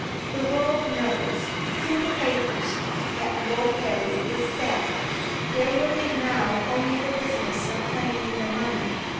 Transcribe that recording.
The world knows, through the papers, that Lord Harry is dead. There will be now only the business of claiming the money.